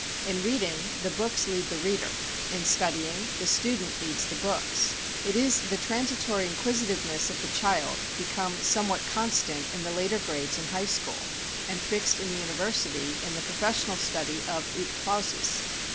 In reading, the books lead the reader; in studying, the student leads the books. It is the transitory inquisitiveness of the child become somewhat constant in the later grades and high school, and fixed in the university in the professional study of "ut clauses."